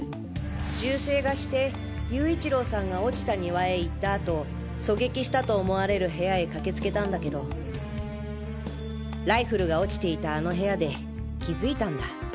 銃声がして勇一郎さんが落ちた庭へ行った後狙撃したと思われる部屋へ駆けつけたんだけどライフルが落ちていたあの部屋で気付いたんだ。